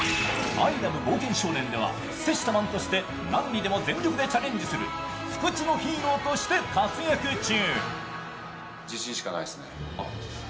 「アイ・アム・冒険少年」ではセシタマンとして何にでも全力でチャレンジする不屈のヒーローとして活躍中。